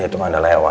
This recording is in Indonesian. itu anda lewat